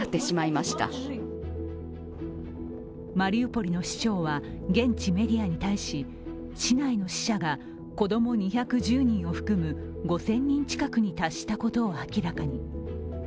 マリウポリの市長は現地メディアに対し市内の死者が子供２１０人を含む５０００人近くに達したことを明らかに。